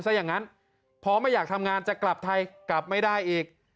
ซะอย่างนั้นพอไม่อยากทำงานจะกลับไทยกลับไม่ได้อีก